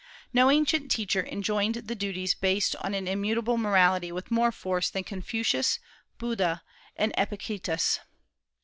No ancient teacher enjoined the duties based on an immutable morality with more force than Confucius, Buddha, and Epictetus.